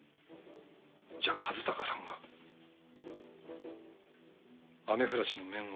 じゃあ和鷹さんが雨降らしの面を。